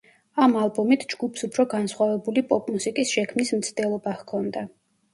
ამ ალბომით ჯგუფს უფრო განსხვავებული პოპ-მუსიკის შექმნის მცდელობა ჰქონდა.